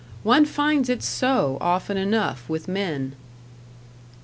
One finds it so, often enough, with men.